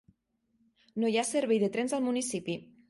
No hi ha servei de trens al municipi.